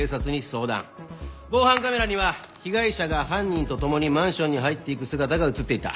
防犯カメラには被害者が犯人と共にマンションに入っていく姿が写っていた。